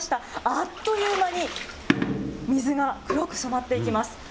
あっという間に、水が黒く染まっていきます。